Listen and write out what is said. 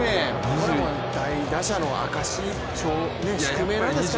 これが大打者の証し、宿命なんですかね。